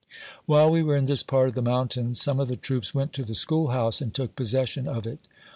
While we were in this part of the mountains, some of the troops went to the school house, and took possession of it.